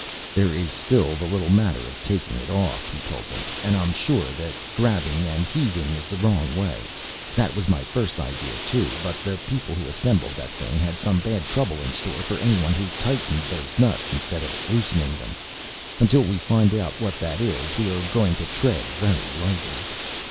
"There is still the little matter of taking it off," he told them, "and I'm sure that grabbing and heaving is the wrong way. That was my first idea too, but the people who assembled that thing had some bad trouble in store for anyone who tightened those nuts instead of loosening them. Until we find out what that is we are going to tread very lightly.